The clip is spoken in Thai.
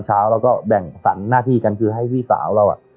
เช้าเราก็แบ่งสรรหน้าที่กันคือให้พี่สาวเราอ่ะ